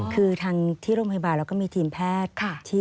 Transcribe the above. คือทางที่โรงพยาบาลเราก็มีทีมแพทย์